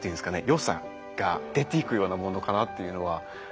よさが出ていくようなものかなっていうのは。